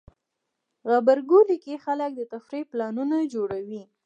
غبرګولی کې خلک د تفریح پلانونه جوړوي.